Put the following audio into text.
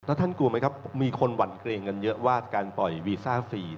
แล้วท่านกลัวไหมครับมีคนหวั่นเกรงกันเยอะว่าการปล่อยวีซ่าฟรี